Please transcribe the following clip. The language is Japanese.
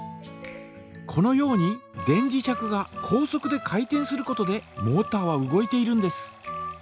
このように電磁石が高速で回転することでモータは動いているんです。